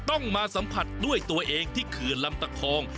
ต้องมาสัมผัสด้วยตัวเองที่เขื่อนลำตะคอง